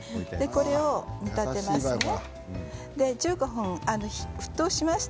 これを煮立てます。